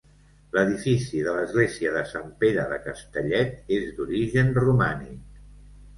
L'edifici de l'església de Sant Pere de Castellet és d'origen romànic.